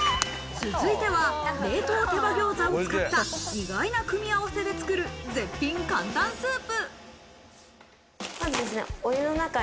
続いては、冷凍手羽餃子を使った意外な組み合わせで作る絶品簡単スープ。